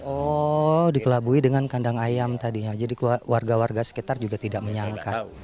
oh dikelabui dengan kandang ayam tadinya jadi warga warga sekitar juga tidak menyangka